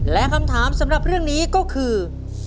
และคำถามสำหรับเรื่องนี้ก็คือ